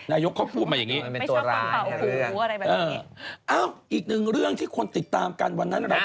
อ้าวอีกหนึ่งเรื่องที่คนติดตามกันวันนั้น